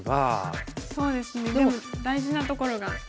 そうですねでも大事なところが。